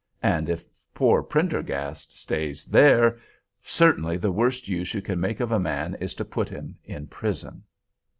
And if poor Prendergast stays there! Certainly, the worst use you can make of a man is to put him in prison!